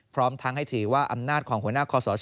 พร้อมทั้งให้ถือว่าอำนาจของหัวหน้าคอสช